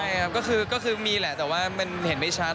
ใช่ครับก็คือมีแหละแต่ว่ามันเห็นได้ชัด